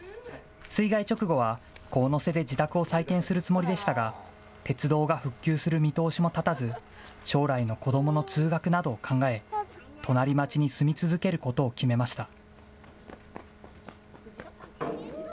水害直後は神瀬で自宅を再建するつもりでしたが、鉄道が復旧する見通しも立たず、将来の子どもの通学などを考え、隣町に住み続けることを決めました。